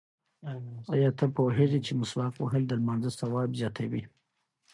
ایا ته پوهېږې چې مسواک وهل د لمانځه ثواب زیاتوي؟